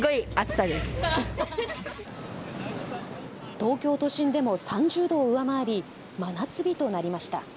東京都心でも３０度を上回り真夏日となりました。